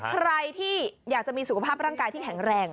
ใครที่อยากจะมีสุขภาพร่างกายที่แข็งแรง